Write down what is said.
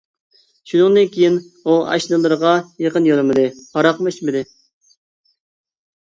شۇنىڭدىن كېيىن ئۇ ئاشنىلىرىغا يېقىن يولىمىدى، ھاراقنىمۇ ئىچمىدى.